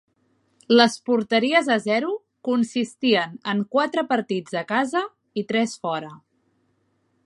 Les porteries a zero consistien en quatre partits a casa i tres fora.